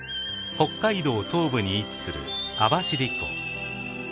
北海道東部に位置する網走湖。